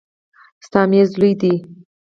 ستا میز لوی دی.